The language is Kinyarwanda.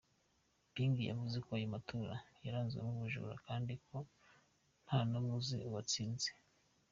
Ping yavuze ko ayo matora yaranzwemwo ubujura kandi ko “nta n’umwe uzi uwatsinze”.